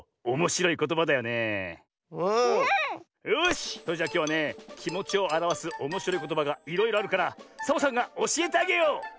よしそれじゃあきょうはねきもちをあらわすおもしろいことばがいろいろあるからサボさんがおしえてあげよう！